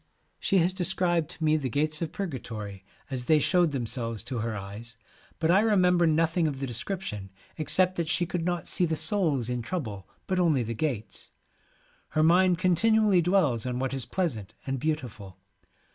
She has described to me the gates of Purgatory as 1 The religious society she had belonged to. 7i The they showed themselves to her eyes, but I Twilight, remember nothing of the description ex cept that she could not see the souls in trouble but only the gates. Her mind continually dwells on what is pleasant and beautiful.